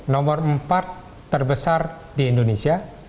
nomor empat terbesar di indonesia